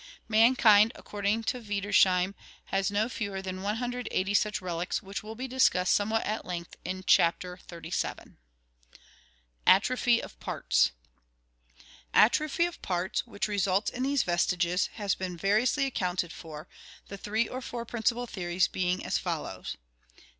Mankind, according to Wiedersheim, has no fewer than 180 such relics, which will be discussed somewhat at length in Chapter XXXVII. Atrophy of Parts.— Atrophy of parts, which results in these 1 54 ORGANIC EVOLUTION . vestiges, has been variously accounted for, the three or four prin cipal theories being as follows: i.